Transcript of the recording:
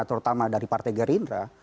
terutama dari partai gerinda